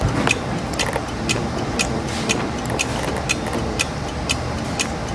এই বিন্দুতে মূল মালভূমি দক্ষিণ-পশ্চিমে ঘুরে গেছে।